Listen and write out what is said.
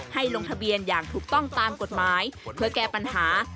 ลงทะเบียนอย่างถูกต้องตามกฎหมายเพื่อแก้ปัญหา